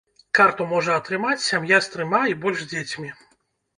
Карту можа атрымаць сям'я з трыма і больш дзецьмі.